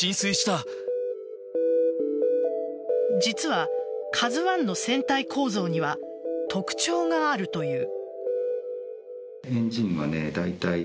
実は「ＫＡＺＵ１」の船体構造には特徴があるという。